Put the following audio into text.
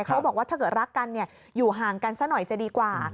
เขาบอกว่าถ้าเกิดรักกันอยู่ห่างกันซะหน่อยจะดีกว่า